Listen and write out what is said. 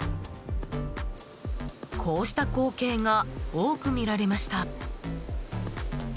こうした光景が多く見られました。